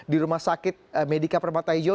di rumah sakit medika permata hijau